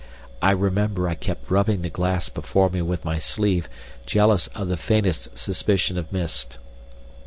I remember I kept rubbing the glass before me with my sleeve, jealous of the faintest suspicion of mist.